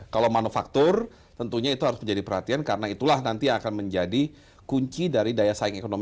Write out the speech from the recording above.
kalau manufaktur tentunya itu harus menjadi perhatian karena itulah nanti yang akan menjadi kunci dari daya saing ekonomi